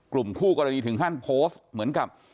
กลุ่มคู่กรณีถึงขั้นโพสต์เหมือนกับ